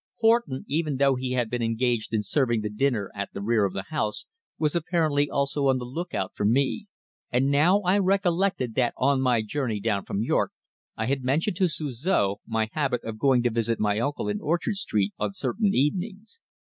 Horton, even though he had been engaged in serving the dinner at the rear of the house, was apparently also on the look out for me, and now I recollected that on my journey down from York, I had mentioned to Suzor my habit of going to visit my uncle in Orchard Street on certain evenings.